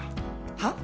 はっ？